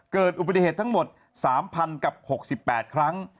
เกิดอุบัติเหตุทั้งหมด๓๐๐กับ๖๘ครั้ง